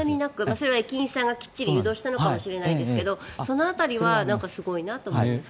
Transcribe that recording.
それは駅員さんがきっちり誘導したのかもしれないですけどその辺りはすごいなと思いました。